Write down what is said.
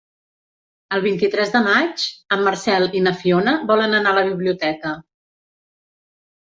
El vint-i-tres de maig en Marcel i na Fiona volen anar a la biblioteca.